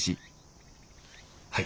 はい。